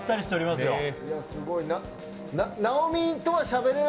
すごいな。